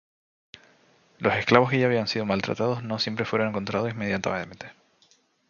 Los esclavos que ya habían sido maltratados no siempre fueron encontrados inmediatamente.